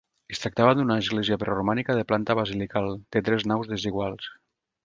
Es tractava d'una església preromànica de planta basilical, de tres naus desiguals.